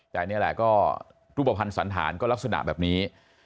แต่นี่แหละก็รูปภัณฑ์สันธารก็ลักษณะแบบนี้